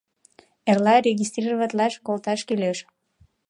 Эрла регистрироватлаш колташ кӱлеш.